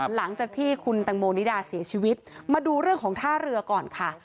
หลังจากที่คุณแตงโมนิดาเสียชีวิตมาดูเรื่องของท่าเรือก่อนค่ะ